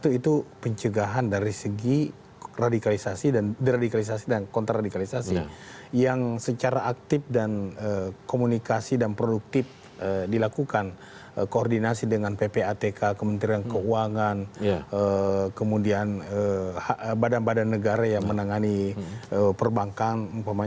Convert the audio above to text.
satu itu pencegahan dari segi radikalisasi dan deradikalisasi dan kontraradikalisasi yang secara aktif dan komunikasi dan produktif dilakukan koordinasi dengan ppatk kementerian keuangan kemudian badan badan negara yang menangani perbankan